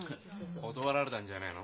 断られたんじゃねえの？